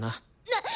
なっ！